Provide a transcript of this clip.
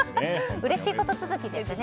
うれしいこと続きですね。